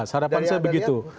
harapan saya begitu